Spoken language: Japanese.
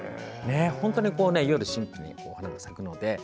本当に夜、神秘に花が咲くので。